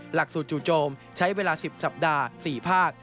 หลักสูตรจู่โจมใช้เวลา๑๐สัปดาห์๔ภาค